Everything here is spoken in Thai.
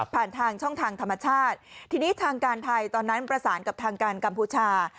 ผ่านทางช่องทางธรรมชาติทีนี้ทางการไทยตอนนั้นประสานกับทางการกัมพูชา